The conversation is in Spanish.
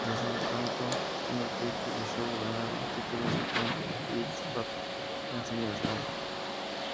Mientras tanto, Undertaker y Show ganaron los títulos de Kane y X-Pac en SummerSlam.